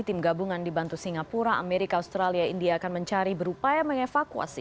tim gabungan dibantu singapura amerika australia india akan mencari berupaya mengevakuasi